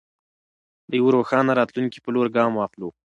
د یوه روښانه راتلونکي په لور ګام واخلو.